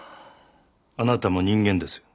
あなたも人間です。